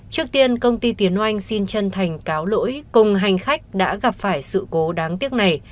trước tiên công ty tiến oanh xin chân thành cáo lỗi cùng hành khách đã gặp phải sự cố đáng tiếc này